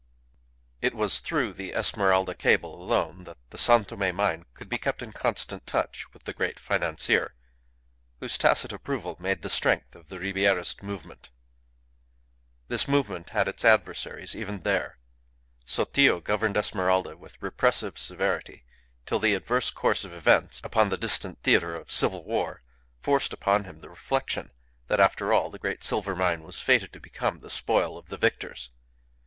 It was through the Esmeralda cable alone that the San Tome mine could be kept in constant touch with the great financier, whose tacit approval made the strength of the Ribierist movement. This movement had its adversaries even there. Sotillo governed Esmeralda with repressive severity till the adverse course of events upon the distant theatre of civil war forced upon him the reflection that, after all, the great silver mine was fated to become the spoil of the victors.